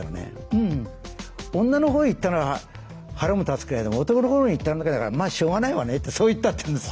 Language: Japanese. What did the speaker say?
「うん女のほうへ行ったなら腹も立つけれども男のほうに行ったんだからまあしょうがないわね」ってそう言ったって言うんです。